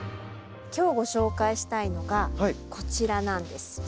今日ご紹介したいのがこちらなんです。